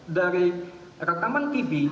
dari rakaman tv